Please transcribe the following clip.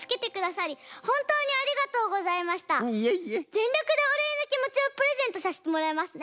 ぜんりょくでおれいのきもちをプレゼントさせてもらいますね。